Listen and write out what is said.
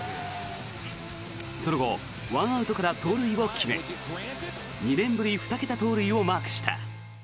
その後、１アウトから盗塁を決め２年ぶり２桁盗塁をマークした。